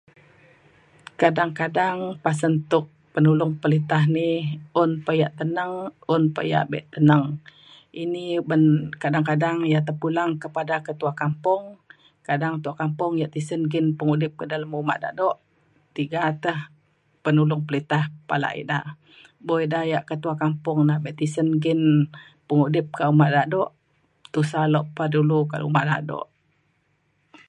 kadang kadang pasen tuk penulong perintah ni un pa yak teneng un pa yak be teneng. ini uban kadang kadang ia’ terpulang kepada ketua kampung kadang ketua kampung yak tisen nggin pengudip dalem uma dado tiga te penulong pelitah pala ida. bo ida yak ketua kampung na be tisen nggin pengudip kak uma dado tusa lok pa dulu kak uma dado.